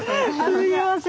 すみません。